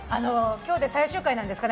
今日で最終回なんですから。